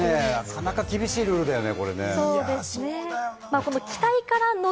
なかなか厳しいルールだよね。